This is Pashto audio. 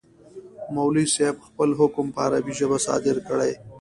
مولوي صاحب خپل حکم په عربي ژبه صادر کړ.